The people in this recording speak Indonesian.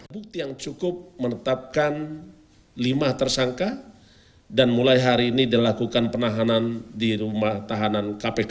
bukti yang cukup menetapkan lima tersangka dan mulai hari ini dilakukan penahanan di rumah tahanan kpk